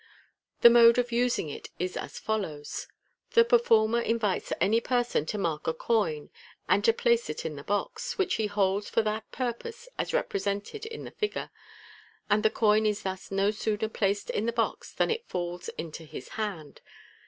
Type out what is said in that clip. The mode of using it is as follows : The performer invites any person to mark a coin, and to place it in the box, which he holds for that purpose as represented in the figure j and the coin is thus no sooner placed in the box than it falls into his hand.